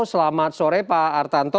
selamat sore pak artanto